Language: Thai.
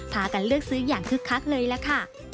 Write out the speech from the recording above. พากันเลือกซื้ออย่างคึกคักเลยล่ะค่ะ